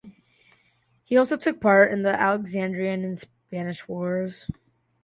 He also took part in the Alexandrian and Spanish wars.